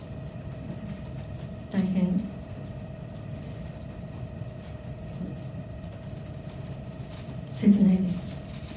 大変切ないです。